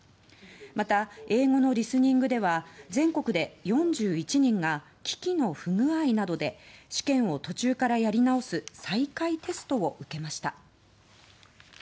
また、英語のリスニングでは全国で４１人が機器の不具合などで試験を途中からやり直す再開テストを受けました。